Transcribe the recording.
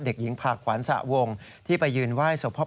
เด็กหญิงพากหวานสะวงที่ไปยืนไหว้สบ